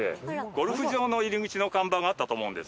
ゴルフ場の入り口の看板があったと思うんです。